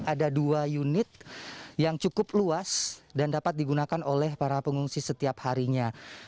ada dua unit yang cukup luas dan dapat digunakan oleh para pengungsi setiap harinya